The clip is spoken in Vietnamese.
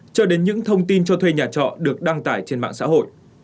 cho đến những thông tin cho thuê nhà trọ được đăng tải trên mạng xã hội